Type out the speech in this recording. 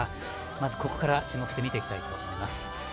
まず、ここから注目して見ていきたいと思います。